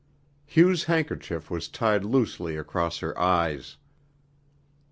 Hugh's handkerchief was tied loosely across her eyes.